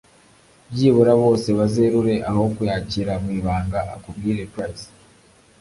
byibura bose bazerure aho kuyakira mu ibanga akubwire price